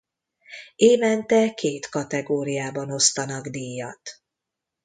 Évente két kategóriában osztanak díjat.